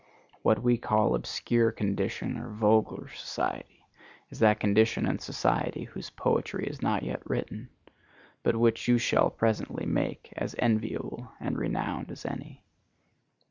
What we call obscure condition or vulgar society is that condition and society whose poetry is not yet written, but which you shall presently make as enviable and renowned as any.